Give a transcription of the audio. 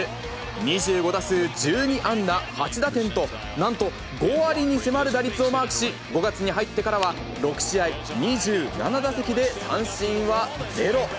２５打数１２安打８打点と、なんと５割に迫る打率をマークし、５月に入ってからは、６試合２７打席で三振はゼロ。